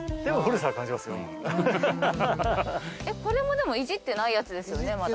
えっこれもでもいじってないやつですよね？